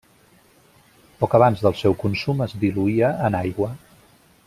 Poc abans del seu consum, es diluïa en aigua.